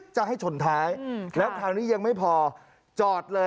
จะให้ชนท้ายแล้วคราวนี้ยังไม่พอจอดเลย